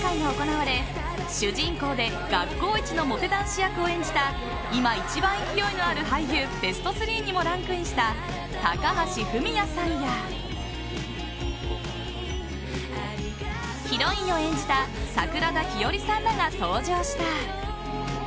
昨日その完成披露試写会が行われ主人公で学校一のモテ男子役を演じた今、いちばん勢いのある俳優ベスト３にもランクインした高橋文哉さんやヒロインを演じた桜田ひよりさんらが登場した。